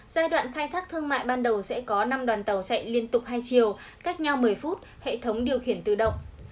giai đoạn khai thác thương mại ban đầu sẽ có năm đoàn tàu chạy liên tục hai chiều cách nhau một mươi phút hệ thống điều khiển tự động